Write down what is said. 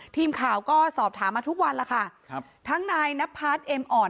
ทีมข่าวก็สอบถามมาทุกวันแล้วค่ะครับทั้งนายนพัฒน์เอ็มอ่อน